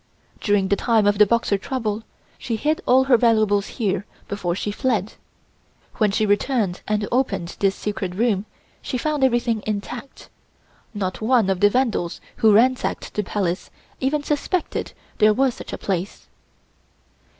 During the time of the Boxer trouble, she hid all her valuables here before she fled. When she returned and opened this secret room she found everything intact, not one of the vandals who ransacked the Palace even suspecting there was such a place.